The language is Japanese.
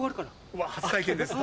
うわ初体験です。